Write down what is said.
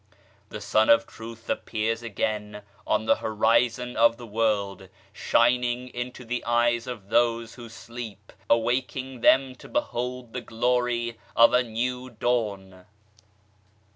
The Sun of Truth appears again on the horizon of the world shining into the eyes of those who sleep, awaking them to behold the glory of a new Dawn.